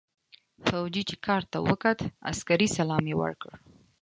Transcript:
فوجي چې کارت ته وکوت عسکري سلام يې وکړ.